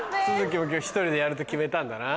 今日１人でやると決めたんだな。